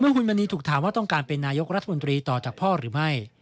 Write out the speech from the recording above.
คุณมณีถูกถามว่าต้องการเป็นนายกรัฐมนตรีต่อจากพ่อหรือไม่